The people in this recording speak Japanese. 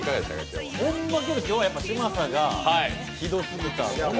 ほんま今日は嶋佐がひどすぎた。